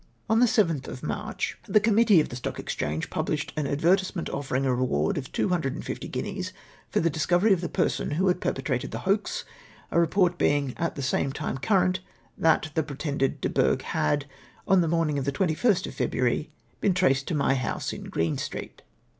On the 7th of March, the Committee of the Stock Exchange pubhshed an advertisement offermg a reward of two hundred and fifty guineas for the discovery of the person who had perpetrated the hoax ; a report being at the same time current that the pretended Du Bourg had, on the morning of the 21st of February, been traced to riiii house in Green Street.